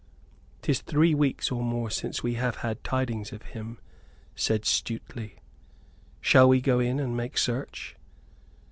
"'Tis three weeks or more since we have had tidings of him," said Stuteley. "Shall we go in and make search?"